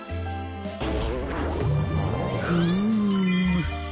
フーム。